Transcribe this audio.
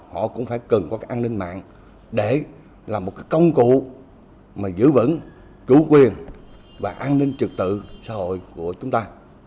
họ cũng phải cần có cái an ninh mạng để là một cái công cụ mà giữ vững chủ quyền và an ninh trực tự xã hội của chúng ta